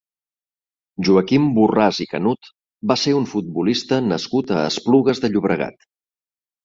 Joaquim Borràs i Canut va ser un futbolista nascut a Esplugues de Llobregat.